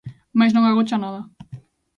Mais non agocha nada.